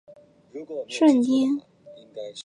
顺天府乡试第五十名。